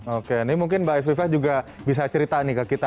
oke ini mungkin mbak evifah juga bisa cerita nih ke kita